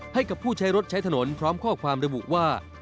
ให้กับผู้ใช้รถใช้ถนนพร้อมข้อความระบุว่า